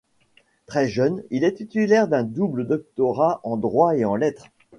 Très jeune, il est titulaire d’un double doctorat, en droit et en lettres.